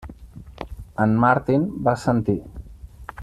En Martin va assentir.